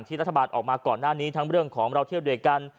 รัฐบาลออกมาก่อนหน้านี้ทั้งเรื่องของเราเที่ยวด้วยกัน